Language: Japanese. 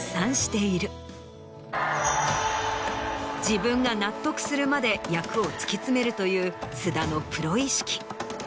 自分が納得するまで役を突き詰めるという菅田のプロ意識。